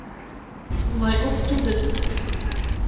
— Улай уҡ түгел.